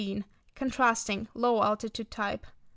Contrasting, low altitude type.